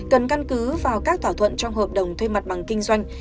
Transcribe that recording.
cần căn cứ vào các thỏa thuận trong hợp đồng thuê mặt bằng kinh doanh